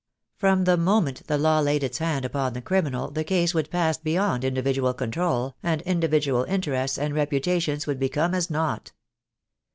From the moment the law laid its hand upon the criminal the case would pass beyond individual control, and in dividual interests and reputations would become as nought.